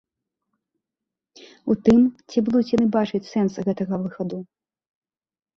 У тым, ці будуць яны бачыць сэнс гэтага выхаду.